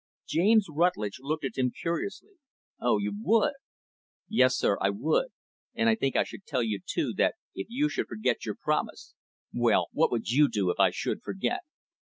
James Rutlidge looked at him, curiously; "Oh, you would?" "Yes, sir, I would; and I think I should tell you, too, that if you should forget your promise " "Well, what would you do if I should forget?"